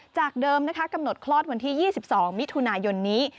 จากเดิมนะคะกำหนดคลอดวันที่๒๒มิถุนายนนี้